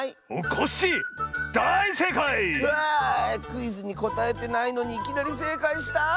クイズにこたえてないのにいきなりせいかいした。